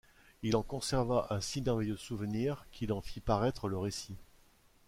Il en conserva un si merveilleux souvenir qu’il en fit paraître le récit.